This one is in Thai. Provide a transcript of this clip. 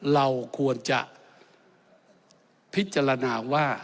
เราควรจะพิจารณาว่า